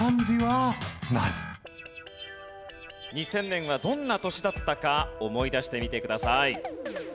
２０００年はどんな年だったか思い出してみてください。